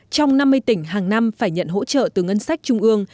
trong năm mươi tỉnh hàng năm phải nhận hỗ trợ từ ngân sách trung ương